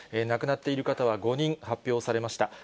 亡くなっている方は５人発表されました。